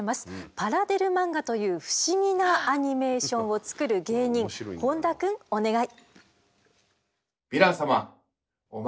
パラデル漫画という不思議なアニメーションを作る芸人本多くんお願い。